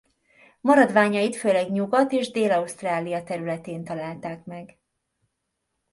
Maradványait főleg Nyugat- és Dél-Ausztrália területén találták meg.